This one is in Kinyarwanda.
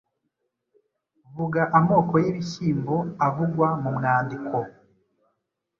Vuga amoko y’ibishyimbo avugwa mu mwandiko.